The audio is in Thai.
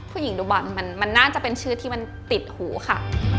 ดูบอลมันน่าจะเป็นชื่อที่มันติดหูค่ะ